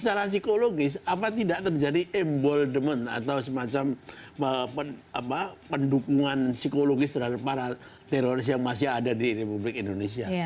secara psikologis apa tidak terjadi emboldement atau semacam pendukungan psikologis terhadap para teroris yang masih ada di republik indonesia